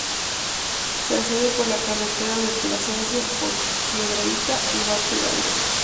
Se accede por la carretera de Plasencia, por Piedrahíta y Barco de Ávila.